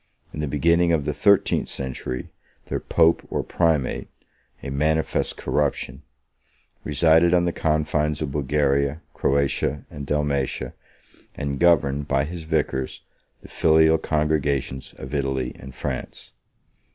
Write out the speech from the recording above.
In the beginning of the thirteenth century, their pope or primate (a manifest corruption) resided on the confines of Bulgaria, Croatia, and Dalmatia, and governed, by his vicars, the filial congregations of Italy and France.